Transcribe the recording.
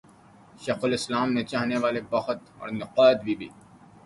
شیخ الاسلام کے چاہنے والے بہت ہیں اور نقاد بھی۔